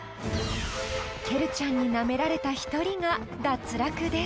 ［ケルちゃんになめられた１人が脱落です］